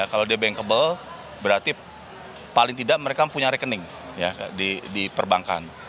kalau dia bankable berarti paling tidak mereka punya rekening di perbankan